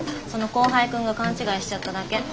その後輩君が勘違いしちゃっただけ。